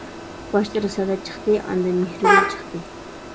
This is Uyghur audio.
باشتا رىسالەت چىقتى، ئاندىن مېھرىگۈل چىقتى.